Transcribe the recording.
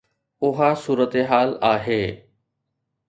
اها صورتحال آهي.